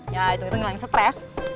ya itu kita ngelanin stres